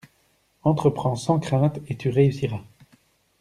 Entreprends sans crainte et tu réussiras